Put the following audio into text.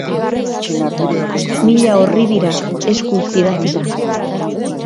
Mila orri dira, eskuz idatzita.